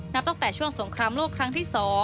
นับตั้งแต่ช่วงสงครามโลกครั้งที่๒